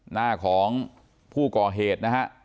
หน้าของผู้ก่อเหตุนะฮะ